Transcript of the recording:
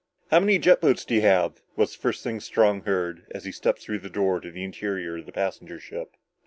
"How many jet boats do you have?" was the first thing Strong heard as he stepped through the door to the interior of the passenger ship.